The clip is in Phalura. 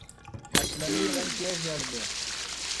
اسلمی رنگ کے زیڑ دےۡ؟